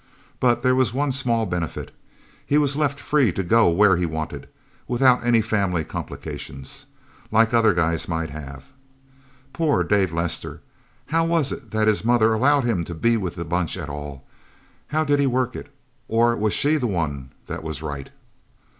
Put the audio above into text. But there was one small benefit he was left free to go where he wanted, without any family complications, like other guys might have. Poor Dave Lester. How was it that his mother allowed him to be with the Bunch at all? How did he work it? Or was she the one that was right?...